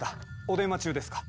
お電話中ですか。